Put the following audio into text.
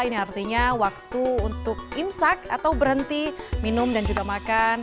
ini artinya waktu untuk imsak atau berhenti minum dan juga makan